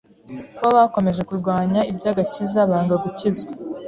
bo bakomeje kurwanya iby’agakiza banga gukizwa